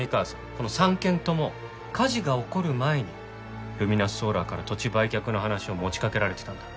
この３軒とも火事が起こる前にルミナスソーラーから土地売却の話を持ちかけられてたんだ。